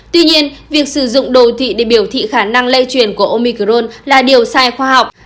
tuy nhiên việc sử dụng đồ thị để biểu thị khả năng lây truyền của omicrone là điều sai khoa học